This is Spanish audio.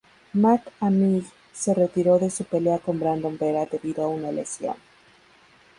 Matt Hamill se retiró de su pelea con Brandon Vera debido a una lesión.